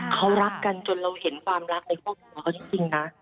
เขารักกันจนเราเห็นความรักในครอบครัวเขาจริงนะ